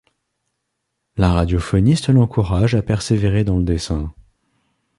Le radiophoniste l'encourage à persévérer dans le dessin.